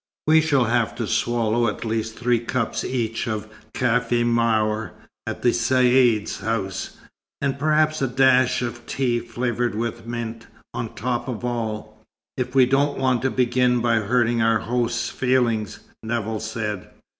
"We shall have to swallow at least three cups each of café maure at the Caïd's house, and perhaps a dash of tea flavoured with mint, on top of all, if we don't want to begin by hurting our host's feelings," Nevill said.